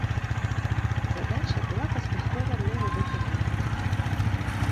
Задача была паспяхова мною выканана.